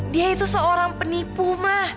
dia itu seorang penipu mah